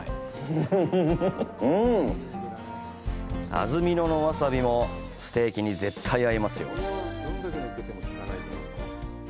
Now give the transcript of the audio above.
安曇野のわさびもステーキに絶対合いますよ！